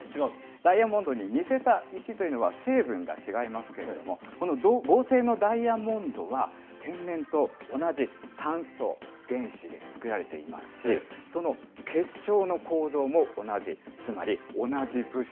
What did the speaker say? ダイヤモンドに似せた石というのは、成分が違いますけれども、この合成のダイヤモンドは、天然と同じ炭素原子で作られていますし、その結晶の構造も同じ、同じ？